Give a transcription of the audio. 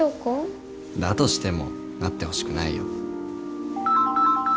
だとしてもなってほしくないよ。